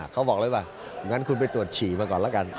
เขาบอกเลยว่างั้นคุณไปตรวจฉี่มาก่อนแล้วกัน